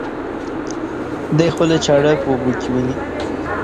دى خپله چاړه په اوبو کې ويني.